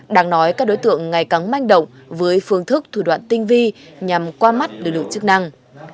đáng nói các đối tượng ngày cắn manh động với phương thức thủy đoạn tinh vi nhằm qua mắt lực lượng chức năng